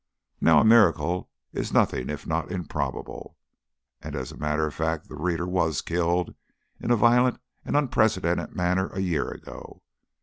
Now a miracle is nothing if not improbable, and as a matter of fact the reader was killed in a violent and unprecedented manner a year ago.